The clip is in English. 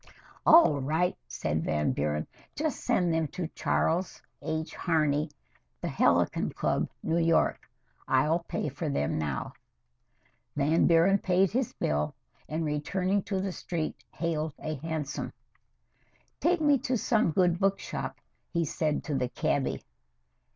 "All right," said Van Buren. "Just send them to Charles H. Harney, The Helicon Club, New York. I'll pay for them now." Van Buren paid his bill, and, returning to the street, hailed a hansom. "Take me to some good book shop," he said to the cabby.